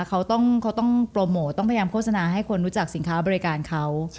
เขาต้องโปรโมทต้องพยายามโฆษณาให้คนรู้จักสินค้าบริการเขา